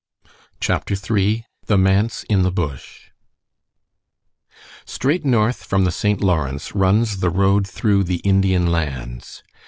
CHAPTER III THE MANSE IN THE BUSH Straight north from the St. Lawrence runs the road through the Indian Lands.